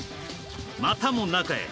またも中へ。